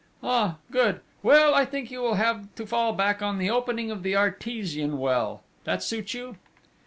"Ah! good! Well, I think you will have to fall back on the opening of the artesian well. That suit you?"